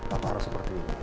papa harus seperti ini